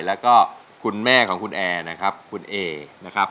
แล้วก็คุณแม่ของคุณแอร์นะครับคุณเอนะครับ